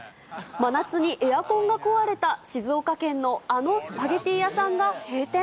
真夏にエアコンが壊れた静岡県のあのスパゲティ屋さんが閉店。